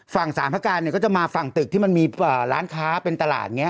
ฝั่งสารพระการเนี่ยก็จะมาฝั่งตึกที่มันมีร้านค้าเป็นตลาดอย่างนี้